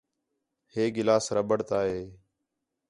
ہے گلاس ربڑتا ہے